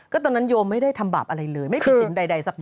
ตอนนั้นโยมไม่ได้ทำบาปอะไรเลยไม่ผิดสินใดสัก